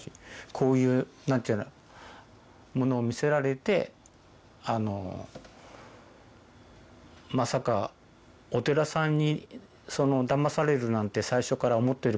こういうなんていうのものを見せられてまさかお寺さんにだまされるなんて最初から思っている方